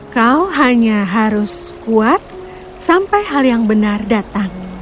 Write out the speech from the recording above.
kau hanya harus kuat sampai hal yang benar datang